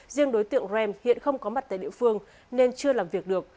riêng đối tượng rem hiện không có mặt tại địa phương nên chưa làm việc được